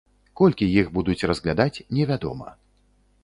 Колькі іх будуць разглядаць, невядома.